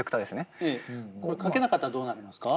これかけなかったらどうなりますか？